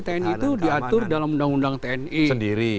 tni itu diatur dalam undang undang tni sendiri